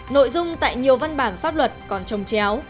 nội dung tại nhiều văn bản pháp luật còn trồng chéo